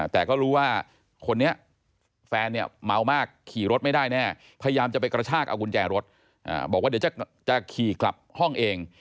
แต่ก็รู้ว่าคนนี้แฟนเนี่ยเมามากขี่รถไม่ได้แน่พยายามจะไปกระชากเอากุญแจรถบอกว่าเดี๋ยวจะขี่กลับห้องเอง